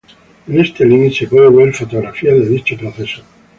En este link se puede ver fotografías de dicho proceso.